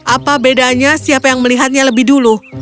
apa bedanya siapa yang melihatnya lebih dulu